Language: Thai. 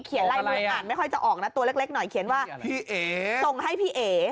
เขียนลายมาอ่านไม่ค่อยจะออกนะตัวเล็กหน่อยเขียนว่าส่งให้พี่เอ๋